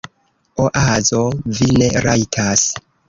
Oazo: "Vi ne rajtas."